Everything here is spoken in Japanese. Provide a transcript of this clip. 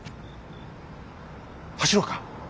走ろうか。